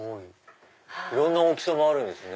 いろんな大きさもあるんですね。